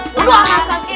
duduk angkat kaki